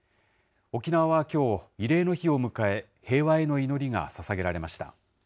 沖縄はきょう、慰霊の日を迎え、平和への祈りがささげられました。